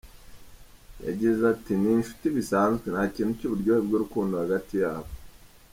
Yagize ati "Ni inshuti bisanzwe, nta kintu cy’uburyohe bw’urukundo hagati yabo.